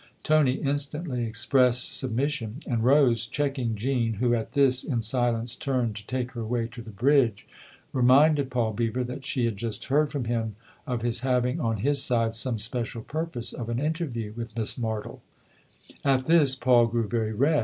Tony instantly expressed submission, and Rose, checking Jean, who, at this, in silence, turned to take her way to the bridge, reminded Paul Beever that she had just heard from him of his having, on his side, some special purpose of an interview with Miss Martle. At this Paul grew very red.